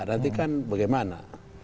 nanti kan bagaimana